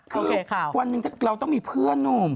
คือวันหนึ่งเราต้องมีเพื่อนหนุ่ม